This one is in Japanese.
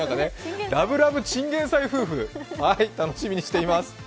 ラブラブチンゲンサイ夫婦、楽しみにしています！